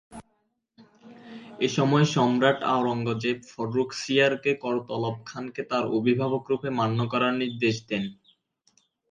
এ সময় সম্রাট আওরঙ্গজেব ফররুখ সিয়ারকে করতলব খানকে তার অভিভাবকরূপে মান্য করার নির্দেশ দেন।